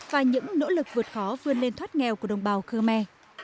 và những nỗ lực vượt khó vươn lên thoát nghèo của đồng bào khơ me